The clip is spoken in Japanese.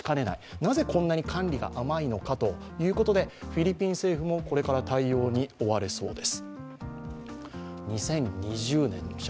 なぜ、こんなに管理が甘いのかということで、フィリピン政府もこれから対応に追われそうです。